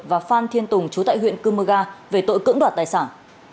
và phan thiên tùng chú tại huyện cư mơ ga về tội cưỡng đoạt tài sản